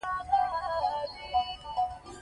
دوی تودوخه اوبه ټیلیفون او بریښنا نه درلوده